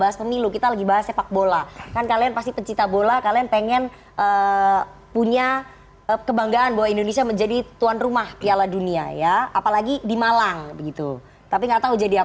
saya pastikan salah